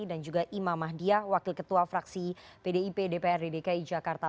dan juga ima mahdiah wakil ketua fraksi pdip dpr dki jakarta